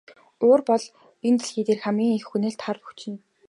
Уур бол энэ дэлхий дээрх хамгийн их хөнөөлт хар хүч юм.